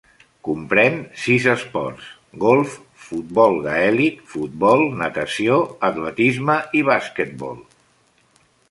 Comprèn sis esports: golf, futbol gaèlic, futbol, natació, atletisme i basquetbol.